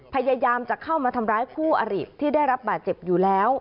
พยายามจะเข้ามาทำร้ายคู่อริที่ได้รับบาดเจ็บอยู่แล้ว